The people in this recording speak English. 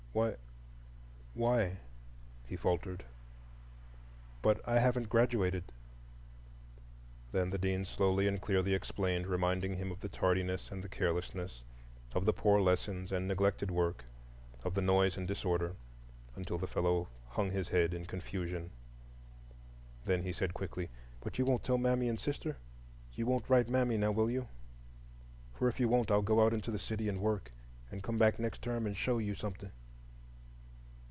"Why,—why," he faltered, "but—I haven't graduated!" Then the Dean slowly and clearly explained, reminding him of the tardiness and the carelessness, of the poor lessons and neglected work, of the noise and disorder, until the fellow hung his head in confusion. Then he said quickly, "But you won't tell mammy and sister,—you won't write mammy, now will you? For if you won't I'll go out into the city and work, and come back next term and show you something."